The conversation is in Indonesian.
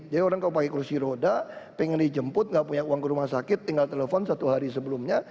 jadi orang kalau pakai kursi roda pengen dijemput gak punya uang ke rumah sakit tinggal telepon satu hari sebelumnya